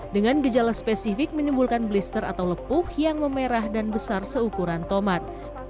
dengan gejala spesifik menimbulkan blister atau lepuh yang memerah dan besar seukuran tomat